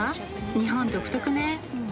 日本独特ね。